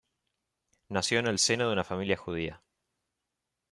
Nació en el seno de una familia judía.